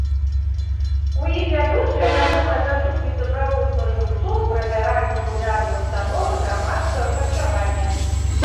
У ім вядучая, вядомая заступніца правоў спажыўцоў, правяраць папулярныя ўстановы грамадскага харчавання.